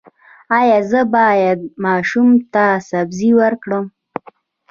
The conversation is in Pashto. ایا زه باید ماشوم ته سبزي ورکړم؟